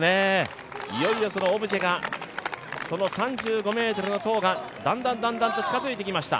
いよいよオブジェが、その３５ｍの塔がだんだんと近づいてきました。